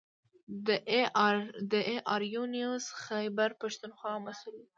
د اې ار یو نیوز خیبر پښتونخوا مسوول و.